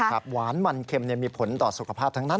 หวานมันเค็มมีผลต่อสุขภาพทั้งนั้น